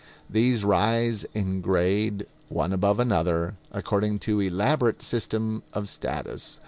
These rise in grade, one above another, according to elaborate system of status.